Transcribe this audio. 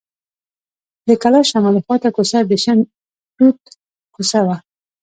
د کلا شمالي خوا کوڅه د شنډه توت کوڅه وه.